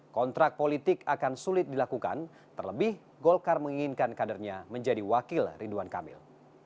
kontrak politik akan sulit dilakukan terlebih golkar menginginkan kadernya menjadi wakil ridwan kamil